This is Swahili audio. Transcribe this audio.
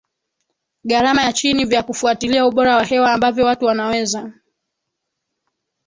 gharama ya chini vya kufuatilia ubora wa hewa ambavyo watu wanaweza